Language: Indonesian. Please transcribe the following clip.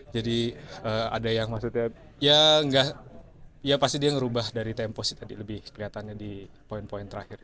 jadi ada yang maksudnya ya enggak ya pasti dia ngerubah dari tempo sih tadi lebih kelihatannya di poin poin terakhir